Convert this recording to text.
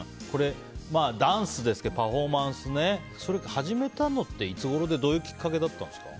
ダンスですけどパフォーマンスね始めたのっていつごろでどういうきっかけだったんですか。